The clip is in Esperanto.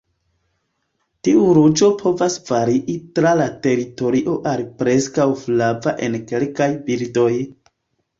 Tiu ruĝo povas varii tra la teritorio al preskaŭ flava en kelkaj birdoj.